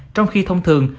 trong khi thông thường